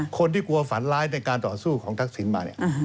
คนที่กลัวฝันร้ายในการต่อสู้ของทักษิณมาเนี่ย